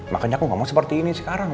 makanya aku nggak mau seperti ini sekarang